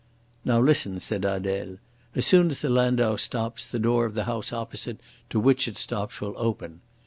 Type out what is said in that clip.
"Now listen," said Adele. "As soon as the landau stops the door of the house opposite to which it stops will open.